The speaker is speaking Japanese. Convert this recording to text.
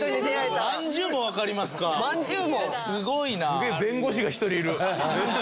すげえ弁護士が一人いる。